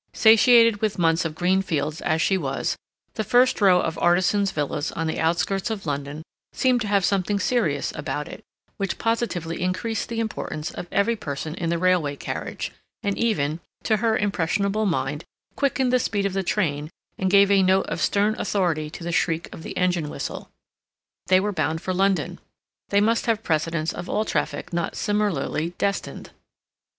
Satiated with months of green fields as she was, the first row of artisans' villas on the outskirts of London seemed to have something serious about it, which positively increased the importance of every person in the railway carriage, and even, to her impressionable mind, quickened the speed of the train and gave a note of stern authority to the shriek of the engine whistle. They were bound for London; they must have precedence of all traffic not similarly destined.